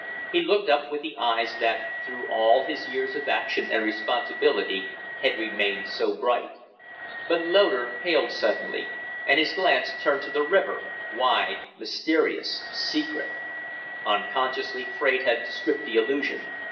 He looked up with the eyes that, through all his years of action and responsibility, had remained so bright. But Loder paled suddenly, and his glance turned to the river wide, mysterious, secret. Unconsciously Fraide had stripped the illusion.